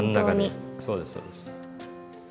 そうですそうです。